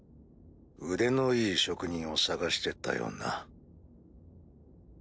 腕のいい職人を探してたよな？